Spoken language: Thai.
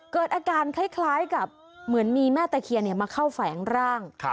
เกิดอาการคล้ายกับเหมือนมีแม่ตะเคียนมาเข้าแฝงร่าง